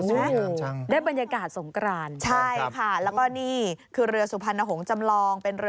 โอ้โหสวยงามจัง